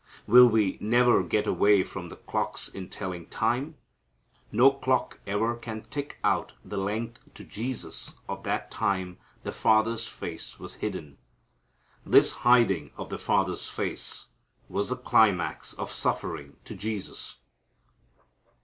Will we never get away from the clocks in telling time? No clock ever can tick out the length to Jesus of that time the Father's face was hidden. This hiding of the Father's face was the climax of suffering to Jesus.